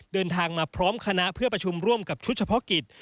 เดินทางมาพร้อมคณะเพื่อประชุมร่วมกับชุดเฉพาะกิจ